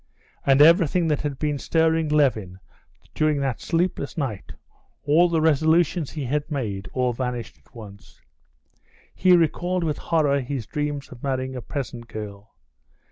And everything that had been stirring Levin during that sleepless night, all the resolutions he had made, all vanished at once. He recalled with horror his dreams of marrying a peasant girl.